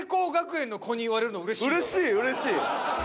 うれしいうれしい。